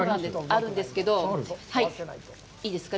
あるんですけど、いいですか。